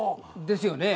ですよね。